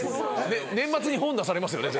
年末に本出されますよね